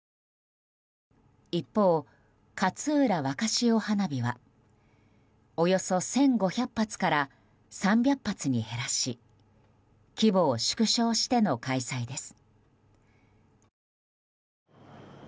一方、かつうら若潮花火はおよそ１５００発から３００発に減らし規模を縮小しての開催です。